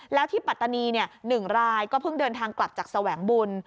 แล้วที่ปัตตานี๑รายก็เพิ่งเดินทางกลับจากแสวงบุญ